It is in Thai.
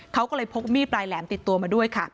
เขาก็เลยพกมีดปลายแหลมติดตัวมาด้วยค่ะ